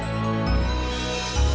sekarang lakukan bersama sama